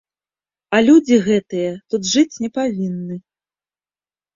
А людзі гэтыя тут жыць не павінны.